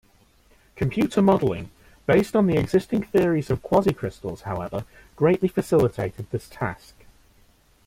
Computer modeling, based on the existing theories of quasicrystals, however, greatly facilitated this task.